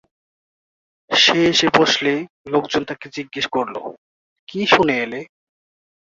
সে এসে বসলে লোকজন তাকে জিজ্ঞেস করলো: কি শুনে এলে।